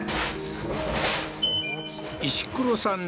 石黒さん